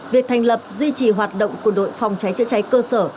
việc thành lập duy trì hoạt động của đội phòng cháy chữa cháy cơ sở